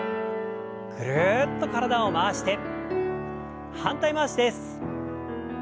ぐるっと体を回して反対回しです。